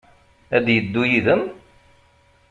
Ad d-yeddu yid-m?